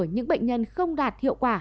những bệnh nhân không đạt hiệu quả